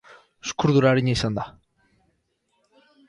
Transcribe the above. Uzkurdura arina izan da.